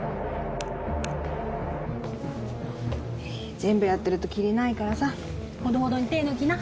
全部やってるとキリないからさほどほどに手抜きな。